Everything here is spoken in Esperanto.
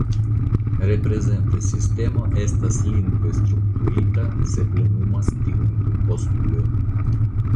Reprezenta sistemo estas lingve strukturita se plenumas tiujn du postulojn.